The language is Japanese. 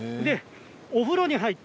お風呂に入って。